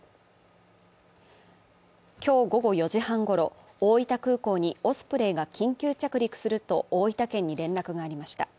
今日午後４時半ごろ、大分空港にオスプレイが緊急着陸すると大分県に連絡がありました。